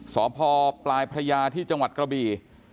สพปลายพระยาที่จังหวัดกระบี่